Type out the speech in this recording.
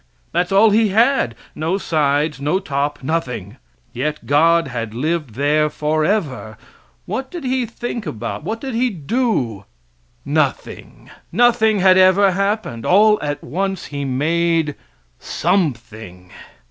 That's all He had. No sides, no top, nothing. Yet God had lived there forever. What did He think about? What did He do? Nothing. Nothing had ever happened. All at once He made something.